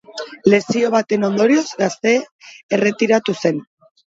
Lesio baten ondorioz, gazte erretiratu zen.